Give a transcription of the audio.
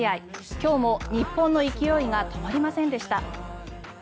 今日も日本の勢いが止まりませんでした。